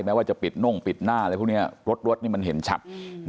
แม้ว่าจะปิดน่วงปิดหน้ารถมันเห็นชัด